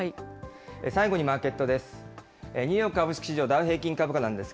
最後にマーケットです。